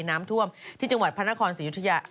น้ำท่วมที่จังหวัดพระนครศรียุธยา